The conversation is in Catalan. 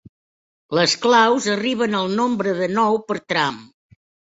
Les claus arriben al nombre de nou per tram.